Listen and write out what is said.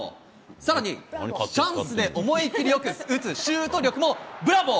さらにチャンスで思い切りよく打つシュート力もブラボー！